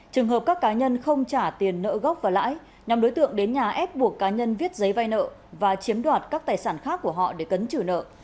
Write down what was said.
trường hợp các cá nhân không trả tiền nợ gốc và lãi nhóm đối tượng đến nhà ép buộc cá nhân viết giấy vay nợ và chiếm đoạt các tài sản khác của họ để cấn trừ nợ